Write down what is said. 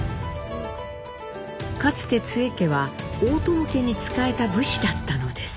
かつて津江家は大友家に仕えた武士だったのです。